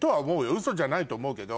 ウソじゃないと思うけど。